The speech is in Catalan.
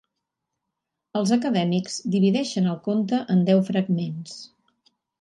Els acadèmics divideixen el conte en deu fragments.